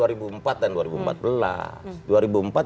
dua ribu empat dan dua ribu empat belas